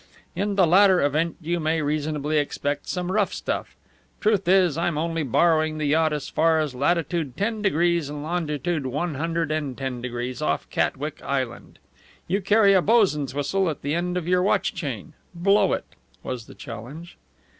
In the latter event you may reasonably expect some rough stuff. Truth is, I'm only borrowing the yacht as far as latitude ten degrees and longitude one hundred and ten degrees, off Catwick Island. You carry a boson's whistle at the end of your watch chain. Blow it!" was the challenge.